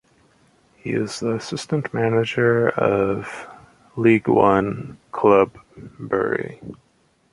He is the assistant manager of League One club Bury.